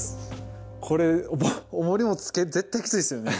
これおもりもつけ絶対キツイですよね。